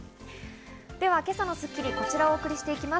では今朝の『スッキリ』はこちらをお送りしていきます。